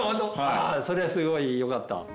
ああそれはすごいよかった。